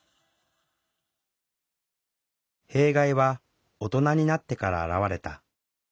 弊害は大人になってから表れた。